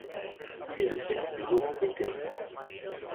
Il est le père de Laurent Béteille.